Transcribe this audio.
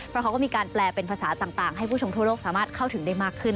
เพราะเขาก็มีการแปลเป็นภาษาต่างให้ผู้ชมทั่วโลกสามารถเข้าถึงได้มากขึ้น